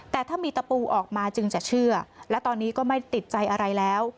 แต่ถ้ามีตะปูออกมาจึงจะเชื่อและตอนนี้ก็ไม่ติดใจอะไรแล้ว